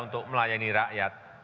untuk melayani rakyat